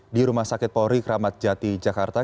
di rumah sakit polri kramat jati jakarta